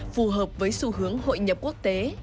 phù hợp với xu hướng hội nhập quốc tế